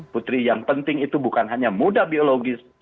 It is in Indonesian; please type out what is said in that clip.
putri yang penting itu bukan hanya muda biologis